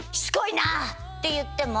って言っても。